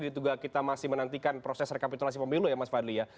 diduga kita masih menantikan proses rekapitulasi pemilu ya mas fadli ya